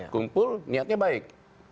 kumpul niatnya baik